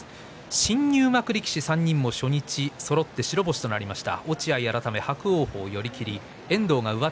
新入幕力士がそろって白星となりました。